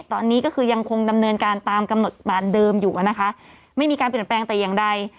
ตอนนี้ก็คือยังคงดำเนินการตามกำหนดการเดิมอยู่อะนะคะไม่มีการเปลี่ยนแปลงแต่อย่างใด